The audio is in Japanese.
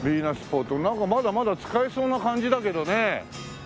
フォートなんかまだまだ使えそうな感じだけどね。